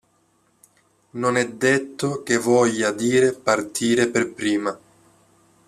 Non è detto che voglia dire partire per prima.